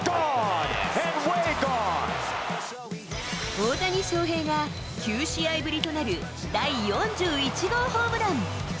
大谷翔平が９試合ぶりとなる第４１号ホームラン。